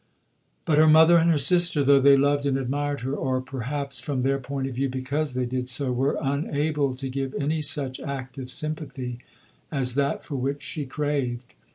" But her mother and her sister, though they loved and admired her, or perhaps from their point of view because they did so, were unable to give any such active sympathy as that for which she craved.